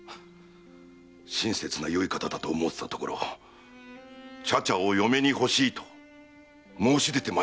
親切なよい方だと思うていたところ「茶々を嫁に欲しい」と申し出て参られたのじゃ！